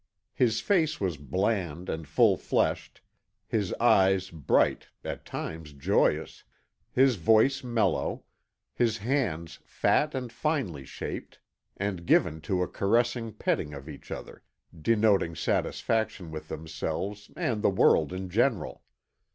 His face was bland and full fleshed, his eyes bright and, at times, joyous, his voice mellow, his hands fat and finely shaped, and given to a caressing petting of each other, denoting satisfaction with themselves and the world in general.